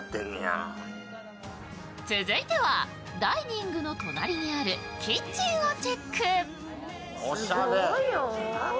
続いては、ダイニングの隣にあるキッチンをチェック。